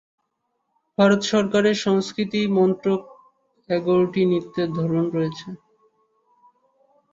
ভারত সরকারের সংস্কৃতি মন্ত্রক এগারোটি নৃত্যের ধরন রয়েছে।